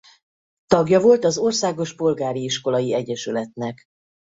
Tagja volt az Országos Polgári Iskolai Egyesületnek.